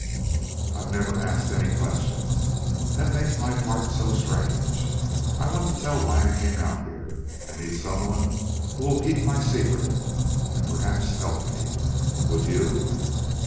I've never asked any questions. That makes my part so strange. I want to tell why I came out here. I need some one who will keep my secret, and perhaps help me.... Would you?"